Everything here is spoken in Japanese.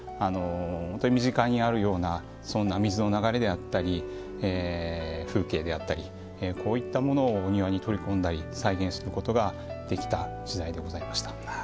本当に身近にあるようなそんな水の流れであったり風景であったりこういったものをお庭に取り込んだり再現することができた時代でございました。